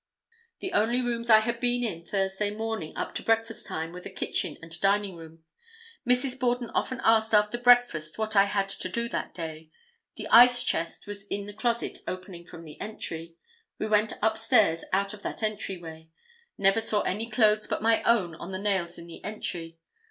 The only rooms I had been in Thursday morning up to breakfast time were the kitchen and dining room. Mrs. Borden often asked after breakfast what I had to do that day. The ice chest was in a closet opening from the entry. We went upstairs out of that entry way. Never saw any clothes but my own on the nails in the entry.